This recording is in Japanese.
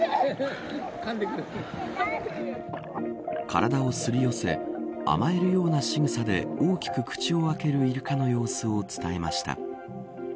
体をすり寄せ甘えるようなしぐさで大きく口を開けるイルカの様子を伝えました。